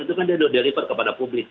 itu kan dia sudah di report kepada publik